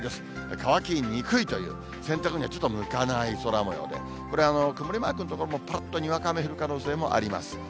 乾きにくいという、洗濯にはちょっと向かない空もようで、これ、曇りマークの所もぱらっとにわか雨降る可能性もあります。